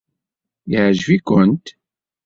Yeɛjeb-ikent?